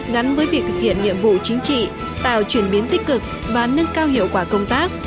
gắn với việc thực hiện nhiệm vụ chính trị tạo chuyển biến tích cực và nâng cao hiệu quả công tác